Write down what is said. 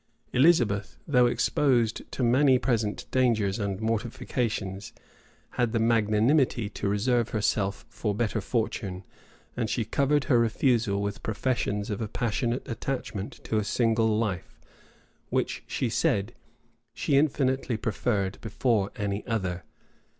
Elizabeth, though exposed to many present dangers and mortifications, had the magnanimity to reserve herself for better fortune; and she covered her refusal with professions of a passionate attachment to a single life, which, she said, she infinitely preferred before any other.